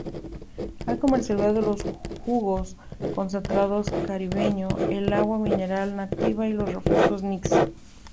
Ha comercializado los jugos concentrados Caribeño, el agua mineral Nativa y los refrescos Nix.